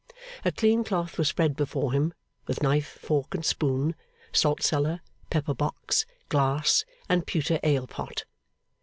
A clean cloth was spread before him, with knife, fork, and spoon, salt cellar, pepper box, glass, and pewter ale pot.